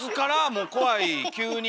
もう怖い急に！